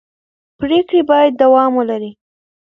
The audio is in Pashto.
پرېکړې باید دوام ولري